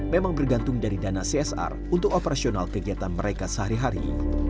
memang bergantung dari dana csr untuk operasional kegiatan mereka sehari hari